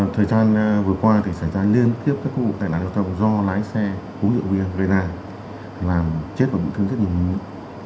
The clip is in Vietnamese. thời gian vừa qua thì xảy ra liên tiếp các khu vực tài nạn rượu thông do lái xe hú rượu bia gây ra làm chết và bị thương rất nhiều người